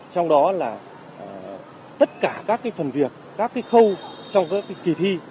trong đó là tất cả các phần việc các khâu trong các kỳ thi